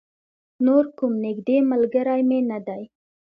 نور کوم نږدې ملگری مې نه دی.